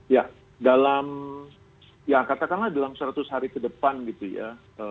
ya dalam ya katakanlah dalam seratus hari ke depan gitu ya